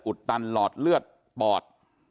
อุดตันลอดเลือดอุดตันปอด